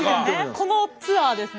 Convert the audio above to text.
このツアーですね